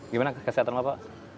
gimana kesehatan pak